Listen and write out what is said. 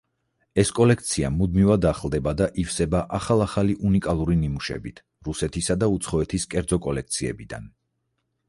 ეს კოლექცია მუდმივად ახლდება და ივსება ახალ-ახალი უნიკალური ნიმუშებით რუსეთისა და უცხოეთის კერძო კოლექციებიდან.